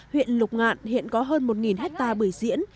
huyện lục ngạn hiện có hơn một hectare bưởi diễn